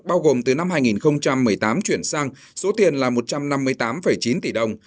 bao gồm từ năm hai nghìn một mươi tám chuyển sang số tiền là một trăm năm mươi tám chín tỷ đồng